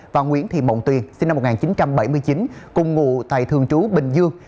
và nguyễn thị mộng tuy sinh năm một nghìn chín trăm bảy mươi chín cùng ngụ tại thường trú bình dương